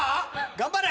頑張れ！